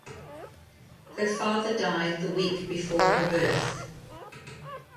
Her father died the week before her birth.